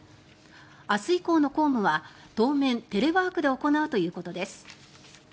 明日以降の公務は当面、テレワークで行うということです。